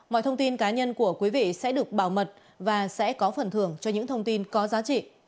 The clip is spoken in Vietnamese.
mọi thông tin cá nhân của quý vị sẽ được bảo mật và sẽ có phần thưởng cho những thông tin có giá trị